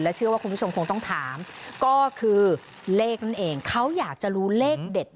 เชื่อว่าคุณผู้ชมคงต้องถามก็คือเลขนั่นเองเขาอยากจะรู้เลขเด็ด